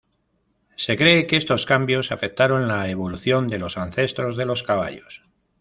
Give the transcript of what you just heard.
Se cree que estos cambios afectaron la evolución de los ancestros de los caballos.